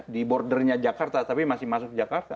di bordernya jakarta tapi masih masuk jakarta